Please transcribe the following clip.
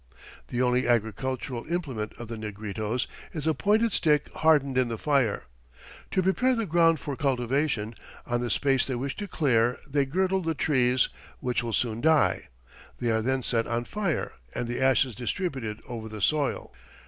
The only agricultural implement of the Negritos is a pointed stick hardened in the fire. To prepare the ground for cultivation, on the space they wish to clear they girdle the trees, which will soon die. They are then set on fire and the ashes distributed over the soil.